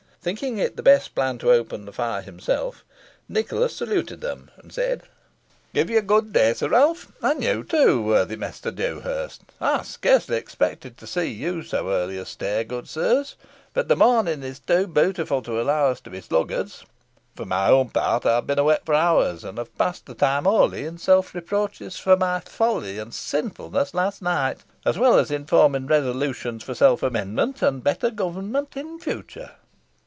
Thinking it the best plan to open the fire himself, Nicholas saluted them, and said "Give you good day, Sir Ralph, and you too, worthy Master Dewhurst. I scarcely expected to see you so early astir, good sirs; but the morning is too beautiful to allow us to be sluggards. For my own part I have been awake for hours, and have passed the time wholly in self reproaches for my folly and sinfulness last night, as well as in forming resolutions for self amendment, and better governance in future."